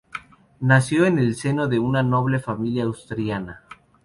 Nació en el seno de una noble familia asturiana.